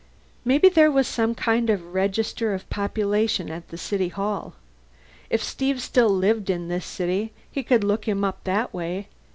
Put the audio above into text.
Maybe there was some kind of register of population at the City Hall. If Steve still lived in this city, he could look him up that way.